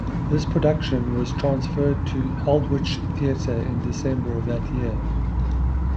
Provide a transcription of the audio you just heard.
This production was transferred to the Aldwych Theatre in December of that year.